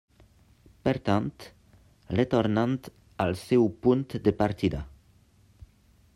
Per tant, retornant al seu punt de partida.